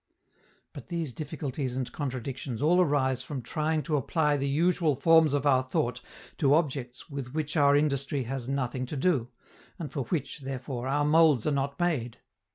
But these difficulties and contradictions all arise from trying to apply the usual forms of our thought to objects with which our industry has nothing to do, and for which, therefore, our molds are not made.